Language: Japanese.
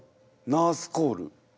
ナースコール。